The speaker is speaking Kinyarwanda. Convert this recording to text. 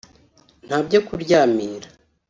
nta byo kuryamira